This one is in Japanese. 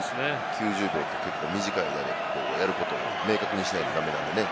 ９０秒って結構短いなって、やることを明確にしなきゃならないんでね。